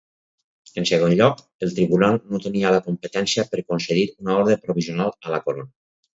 En segon lloc, el tribunal no tenia la competència per concedir una ordre provisional a la Corona.